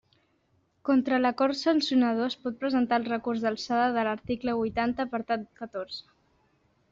Contra l'acord sancionador es pot presentar el recurs d'alçada de l'article huitanta apartat catorze.